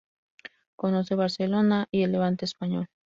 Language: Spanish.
Conoce Barcelona y el Levante español.